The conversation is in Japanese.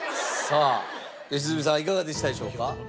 さあ良純さんいかがでしたでしょうか？